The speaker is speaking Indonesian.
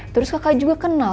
terus kakak juga kenal